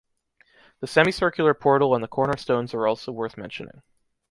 The semicircular portal and the corner stones are also worth mentioning.